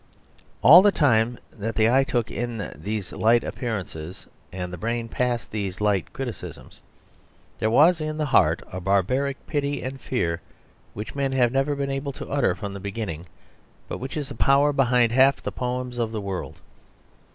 All the time that the eye took in these light appearances and the brain passed these light criticisms, there was in the heart a barbaric pity and fear which men have never been able to utter from the beginning, but which is the power behind half the poems of the world.